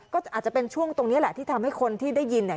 ก็อาจจะเป็นช่วงตรงนี้แหละที่ทำให้คนที่ได้ยินเนี่ย